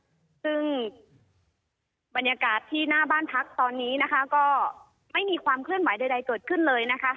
ซึ่งบรรยากาศที่หน้าบ้านพักตอนนี้นะคะก็ไม่มีความเคลื่อนไหวใดเกิดขึ้นเลยนะคะ